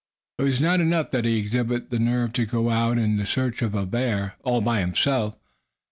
It was not enough that he exhibit the nerve to want to go out in search of a bear, all by himself.